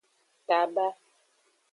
Taba.